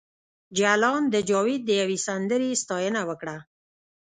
جلان د جاوید د یوې سندرې ستاینه وکړه